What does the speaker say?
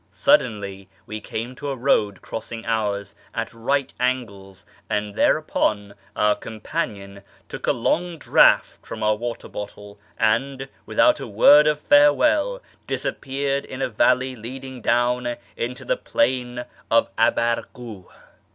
Suddenly we came to a road crossing ours at right angles, and thereupon our companion took a long draught from our water bottle, and, without a word of farewell, disappeared in a valley leading down into the Plain of Abarkuh.